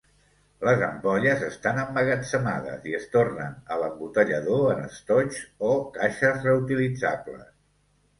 Les ampolles estan emmagatzemades i es tornen a l'embotellador en estoigs o caixes reutilitzables.